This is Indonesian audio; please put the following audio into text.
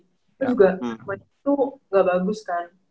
itu juga tuh gak bagus kan